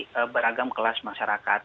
jadi beragam kelas masyarakat